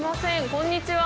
こんにちは。